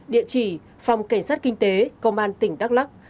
địa chỉ phòng cảnh sát kinh tế công an tỉnh đắk lắc